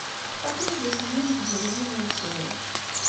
Ad ken-id-asen yinebgiwen i yimensi?